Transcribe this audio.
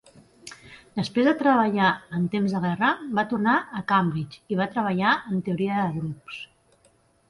Després de treballar en temps de guerra, va tornar a Cambridge i va treballar en teoria de grups.